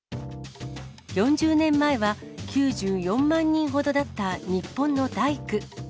４０年前は９４万人ほどだった日本の大工。